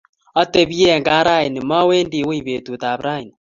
Atebchei eng gaa raini, mawendi wiy betutab raini